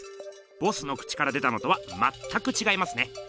ボスの口から出たのとはまったくちがいますね。